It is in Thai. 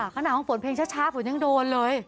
ขนาดของฝนเพลงช้าฝนยังโดนเลย